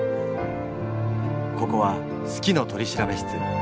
ここは「好きの取調室」。